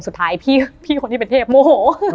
สุดท้ายพี่คนที่เป็นเทพโมโห